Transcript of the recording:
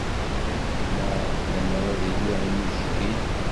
Mennaɣ lemmer d ay lliɣ yid-k din.